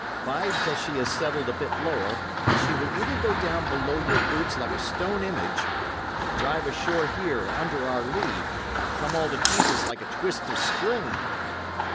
Bide till she has settled a bit lower; and she will either go down below your boots like a stone image, or drive ashore here, under our lee, and come all to pieces like a twist of string."